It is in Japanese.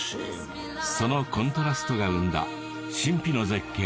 そのコントラストが生んだ神秘の絶景